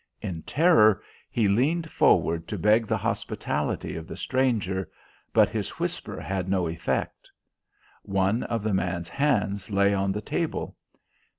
In terror he leaned forward to beg the hospitality of the stranger, but his whisper had no effect. One of the man's hands lay on the table.